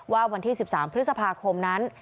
วันที่๑๓พฤษภาคมนั้น